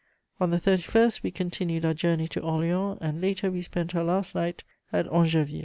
On the 31st we continued our journey to Orleans, and later we spent our last night at Angerville."